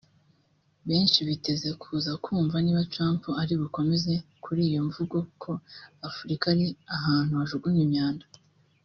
Benshi biteze kuza kumva niba Trump ari bukomoze kuri iyo mvugo ko "Afurika ari ahantu hajugunywa imyanda"